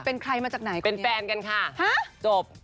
เป็นใครมาจากไหนเป็นแฟนกันค่ะจบ